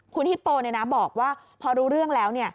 คุณฮิปโปบอกว่าพอรู้เรื่องแล้ว